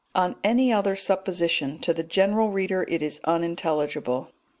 On any other supposition to the general reader it is unintelligible.